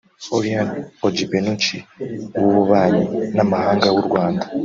Aurelien Agbenonci; uw’Ububanyi n’Amahanga w’u Rwanda